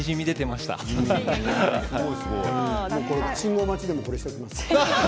信号待ちでもこれをしておきます。